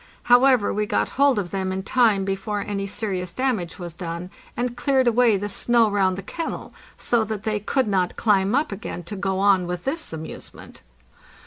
However, we got hold of them in time before any serious damage was done, and cleared away the snow round the kennel, so that they could not climb up again to go on with this amusement.